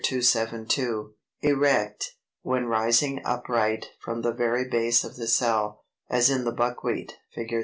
272), Erect, when rising upright from the very base of the cell, as in the Buckwheat (Fig.